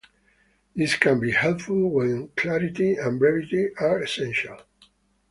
This can be helpful when clarity and brevity are essential.